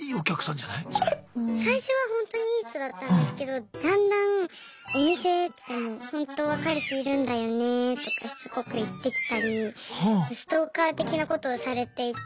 最初はほんとにいい人だったんですけどだんだんお店来てもとかしつこく言ってきたりストーカー的なことをされていて。